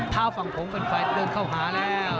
เผ่าฝั่งโขงเป็นไฟเดินเข้าหาแล้ว